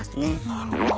なるほど。